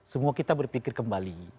semua kita berpikir kembali